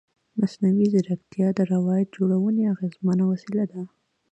مصنوعي ځیرکتیا د روایت جوړونې اغېزمنه وسیله ده.